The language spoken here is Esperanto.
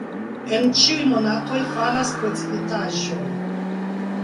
En ĉiuj monatoj falas precipitaĵoj.